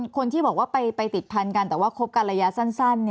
คนที่บอกว่าไปติดพันกันแต่ว่าคบกันระยะสั้น